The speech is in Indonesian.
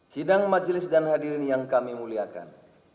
sidang majelis dan hadirin yang kami muliakan